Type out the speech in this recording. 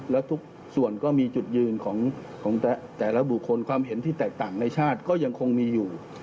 แล้วทุกส่วนก็มีจุดยืนของแต่ละบุคคลความเห็นที่แตกต่างในชาติก็ยังคงมีอยู่